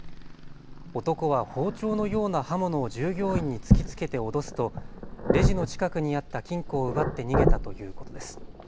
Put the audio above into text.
男は包丁のような刃物を従業員に突きつけて脅すとレジの近くにあった金庫を奪って逃げたということです。